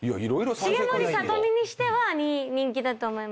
重盛さと美にしては人気だと思います。